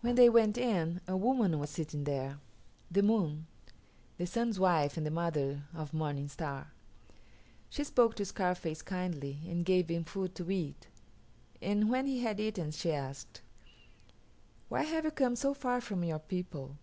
When they went in a woman was sitting there, the Moon, the Sun's wife and the mother of Morning Star. She spoke to Scarface kindly and gave him food to eat, and when he had eaten she asked, "Why have you come so far from your people?"